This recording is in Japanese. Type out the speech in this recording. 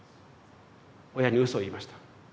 親にうそを言いました。